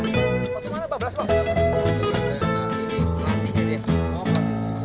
berita terkini mengenai cuaca lebat di jepang